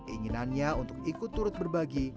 keinginannya untuk ikut turut berbagi